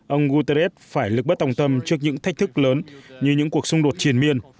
ông guterres phải lực bất tòng tâm trước những thách thức lớn như những cuộc xung đột triển miên